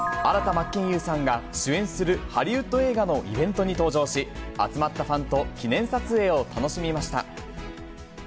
真剣佑さんが、主演するハリウッド映画のイベントに登場し、集まったファンと記念撮影を楽しみました。